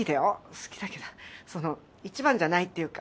好きだけどその１番じゃないっていうか。